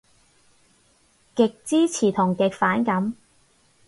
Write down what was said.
極支持同極反感